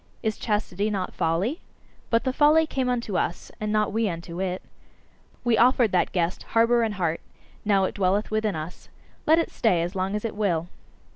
Is chastity not folly? But the folly came unto us, and not we unto it. We offered that guest harbour and heart: now it dwelleth with us let it stay as long as it will!"